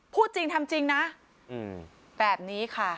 พูดจริงทำจริงนะแบบนี้ค่ะ